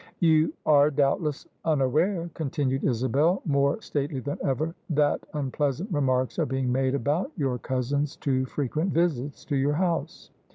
"You are doubtless unaware," continued Isabel, more stately than ever, " that unpleasant remarks are being made about your cousin's too frequent visits to your house.